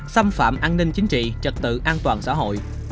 xâm phạm an ninh chính trị trật tự an toàn xã hội